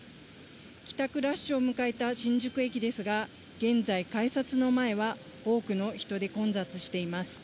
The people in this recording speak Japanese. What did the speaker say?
帰宅ラッシュを迎えた新宿駅ですが、現在、改札の前は多くの人で混雑しています。